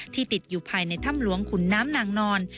ติดอยู่ภายในถ้ำหลวงขุนน้ำนางนอน